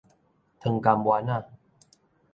糖含丸仔